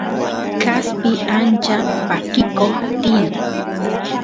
kaspi ancha pakikoq tiyan